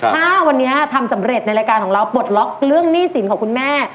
ถ้าวันนี้ทำสำเร็จในรายการของเราปลดล็อกเรื่องหนี้สินของคุณแม่